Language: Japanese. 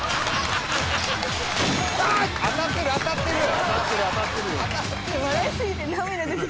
当たってる当たってるよ。